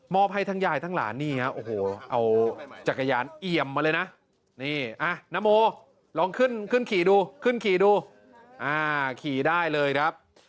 มอบให้ทั้งยายทั้งหลานนี่เอาจักรยานเอียมมาเลยนะน้ำโมลองขึ้นขี่ดูขี่ได้เลยครับ